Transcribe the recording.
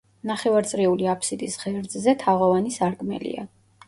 ნახევარწრიული აფსიდის ღერძზე თაღოვანი სარკმელია.